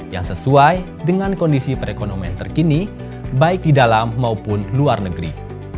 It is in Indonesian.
yang sesuai dengan kondisi perekonomian terkini baik di dalam maupun luar negeri